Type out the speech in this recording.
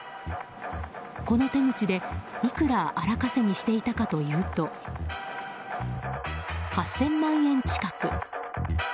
この手口でいくら荒稼ぎしていたかというと８０００万円近く。